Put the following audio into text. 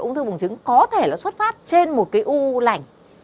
ung thư bùng trứng có thể nó xuất phát trên một cái u lành